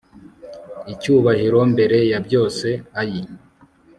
icyubahiro mbere ya byose, ayii